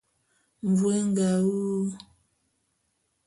Mvu é nga wu.